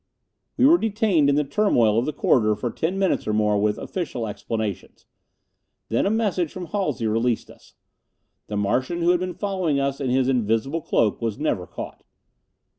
We were detained in the turmoil of the corridor for ten minutes or more with official explanations. Then a message from Halsey released us. The Martian who had been following us in his invisible cloak was never caught.